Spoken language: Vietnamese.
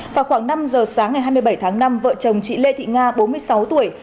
vào khoảng năm giờ sáng ngày hai mươi bảy tháng năm vợ chồng chị lê thị nga bốn mươi sáu tuổi